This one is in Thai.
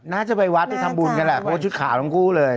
น่าจะไปวัดทำบุญกันแหละโบดชุดข่าวทั้งคู่เลย